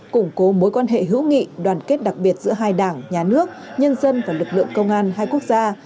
củng cố mối quan hệ hữu nghị đoàn kết đặc biệt giữa hai đảng nhà nước nhân dân và lực lượng công an hai quốc gia